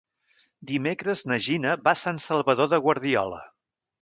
Dimecres na Gina va a Sant Salvador de Guardiola.